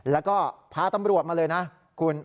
แล้วก็พาตำรวจมาเลยนะคุณ